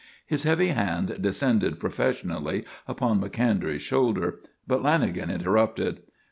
His heavy hand descended professionally upon Macondray's shoulder. But Lanagan interrupted.